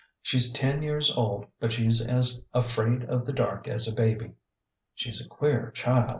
She's ten years old, but she's as afraid of the dark as a baby. She's a queer child.